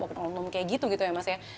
seperti gitu ya mas ya